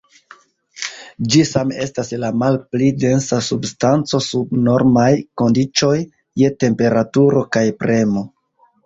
Ĝi same estas la malpli densa substanco sub normaj kondiĉoj je temperaturo kaj premo.